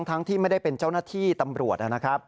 ทั้งที่ไม่ได้เป็นเจ้าหน้าที่ตำรวจนะครับ